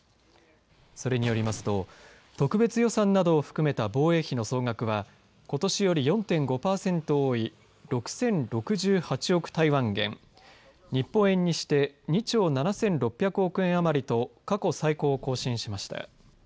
それによりますと特別予算などを含めた防衛費の総額はことしより４．５パーセント多い６０６８億台湾元日本円にして２兆７６００億円余りと過去最高を更新しました。